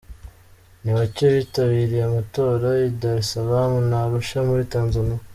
Ni bake bitabiriye amatora i Dar es Salaam na Arusha muri Tanzania.